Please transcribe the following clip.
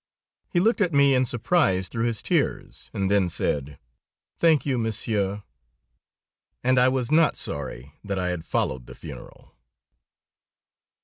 He looked at me in surprise through his tears, and then said: "Thank you, Monsieur." And I was not sorry that I had followed the funeral.